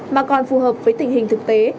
mà còn phù hợp với tình hình thực tế